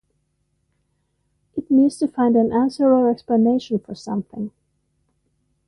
It means to find an answer or explanation for something.